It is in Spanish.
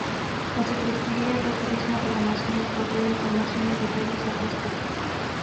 La Secretaría de Turismo de la Nación, provee información y detalles al respecto.